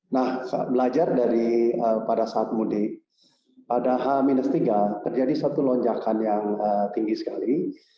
nah belajar dari pada saat mudik pada h tiga terjadi satu lonjakan yang tinggi sekali